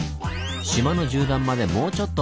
島の縦断までもうちょっと！